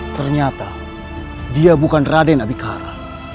ternyata dia bukan raden abikara